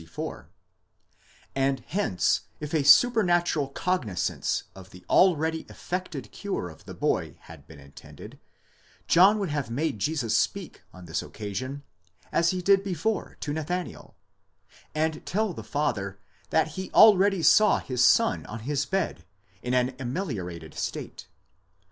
25, vi. 64), and hence if a super natural cognizance of the already effected cure of the boy had been intended, John would have made Jesus speak on this occasion as he did before to Nathanael, and tell the father that he already saw his son on his bed in an ameliorated state.